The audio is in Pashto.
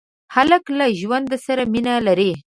هلک له ژوند سره مینه لري.